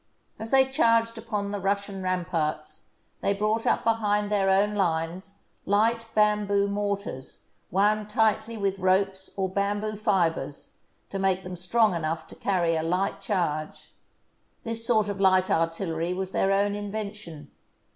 As they charged upon the Russian ramparts, they brought up behind their own lines light bamboo mortars, wound tightly with ropes or bamboo fibres to make them strong enough to carry a light charge. This sort of light artillery was their own invention.